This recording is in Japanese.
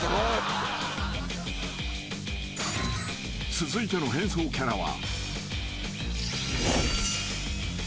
［続いての変装キャラは］